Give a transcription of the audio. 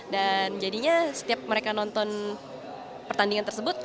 dan jadinya setiap mereka nonton pertandingan tersebut